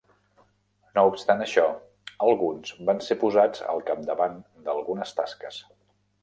No obstant això, alguns van ser posats al capdavant d'algunes tasques.